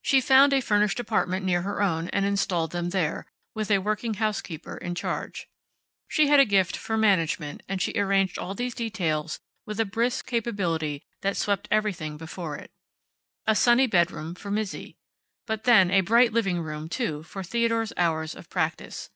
She found a furnished apartment near her own, and installed them there, with a working housekeeper in charge. She had a gift for management, and she arranged all these details with a brisk capability that swept everything before it. A sunny bedroom for Mizzi. But then, a bright living room, too, for Theodore's hours of practice.